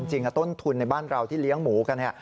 จริงต้นทุนในบ้านเราที่เลี้ยงหมูกัน